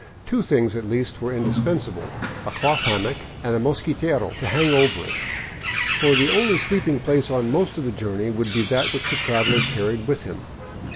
Two things at least were indispensable, — a cloth hammock and a mosquitero to hang over it; for the only sleeping place on most of the journey would be that which the traveler carried with him.